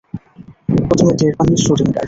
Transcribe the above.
প্রথমে টের পাননি শ্রোডিঙ্গার।